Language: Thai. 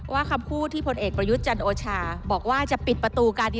ว่าคำพูดที่